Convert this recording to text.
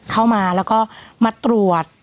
เข้ามาแล้วก็มาตรวจ